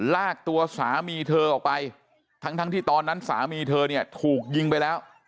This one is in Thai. ลากตัวสามีเธอออกไปทั้งที่ตอนนั้นสามีเธอเนี่ยถูกยิงไปแล้ว